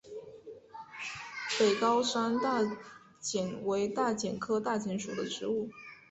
北高山大戟为大戟科大戟属的植物。